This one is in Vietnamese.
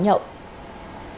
nhưng không nhậu